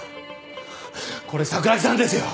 これ桜木さんですよ！